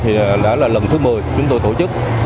thì đã là lần thứ một mươi chúng tôi tổ chức